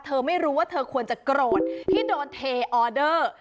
เธอไม่รู้ว่าเธอควรจะโกรธที่โดนเทออเดอร์